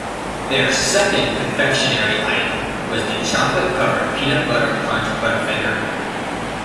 Their second confectionery item was the chocolate-covered peanut butter crunch Butterfinger.